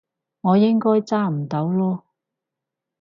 我應該揸唔到嚕